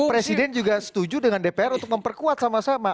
presiden juga setuju dengan dpr untuk memperkuat sama sama